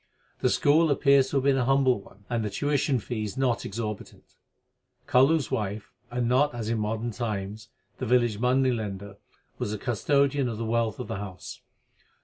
The school appears to have been a humble one, and the tuition fees not exorbitant. Kalu s wife and not, as in modern times, the village money lender was the custodian of the wealth of the house.